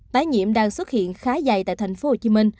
tái nhiễm đang xuất hiện khá dài tại tp hcm